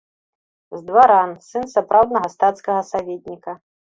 З дваран, сын сапраўднага стацкага саветніка.